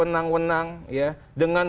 kewenang kewenang ya dengan